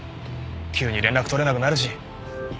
急に連絡取れなくなるし。